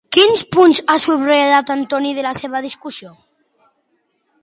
Quins punts ha subratllat Antoni de la discussió?